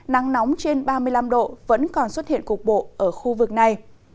nắng nóng trên ba mươi năm độ vẫn còn xuất hiện cục bộ ở khu vực này